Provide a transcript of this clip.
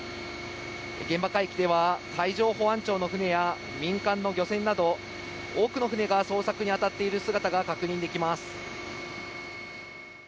現場海域では、海上保安庁の船や民間の漁船など、多くの船が捜索に当たっている姿が確認できます。